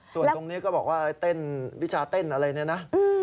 ส่วนตรงนี้ก็บอกว่าเต้นวิชาเต้นอะไรเนี่ยนะ